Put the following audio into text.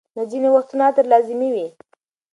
نه، ځینې وختونه عطر لازمي وي.